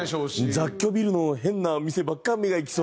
雑居ビルの変なお店ばっか目がいきそう。